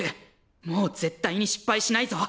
もう絶対に失敗しないぞ！